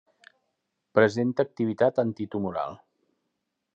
Presenta activitat antitumoral.